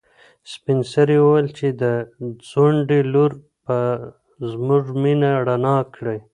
سپین سرې وویل چې د ځونډي لور به زموږ مېنه رڼا کړي.